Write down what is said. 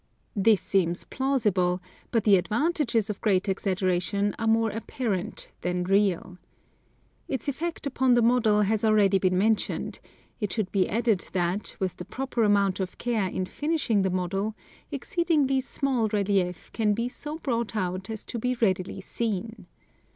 This seems plausible, but the advantanges of great exaggeration are more apparent than real. Its effect upon the model has already been mentioned ; it should be added that, with the proper amount of care in finishing the model, exceed ingly small relief can be so brought out as to be readily seen.